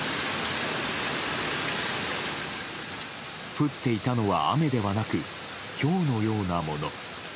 降っていたのは雨ではなく、ひょうのようなもの。